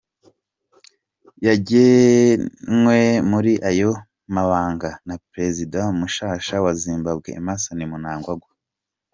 Yagenywe muri ayo mabanga na prezida mushasha wa Zimbabwe, Emmerson Mnangagwa.